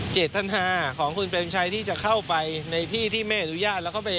เจตนาของคุณเปรมชัยที่จะเข้าไปในที่ที่ไม่อนุญาตแล้วก็ไป